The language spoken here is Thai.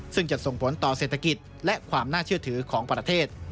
ซึ่งจะส่งผลต่อเศรษฐกิจและความน่าเชื่อถือของประเทศ